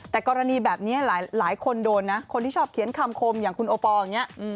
แต่กรณีแบบนี้หลายคนโดนนะคนที่ชอบเขียนคำคมอย่างคุณโอปอลอย่างนี้